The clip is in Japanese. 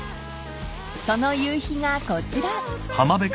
［その夕日がこちら］